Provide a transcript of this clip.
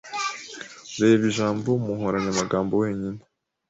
Reba ijambo mu nkoranyamagambo wenyine.